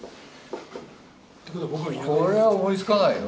これは思いつかないよ。